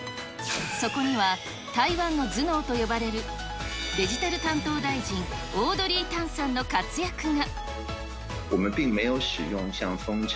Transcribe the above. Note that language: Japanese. そこには台湾の頭脳と呼ばれるデジタル担当大臣、オードリー・タンさんの活躍が。